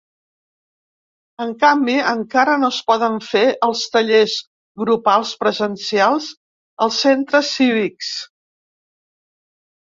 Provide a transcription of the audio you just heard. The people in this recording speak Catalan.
En canvi, encara no es poden fer els tallers grupals presencials als centres cívics.